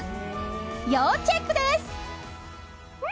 要チェックです。